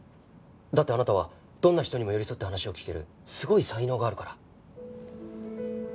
だってあなたはどんな人にも寄り添って話を聞けるすごい才能があるから。